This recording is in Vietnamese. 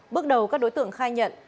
bước đầu các đối tượng khai nhận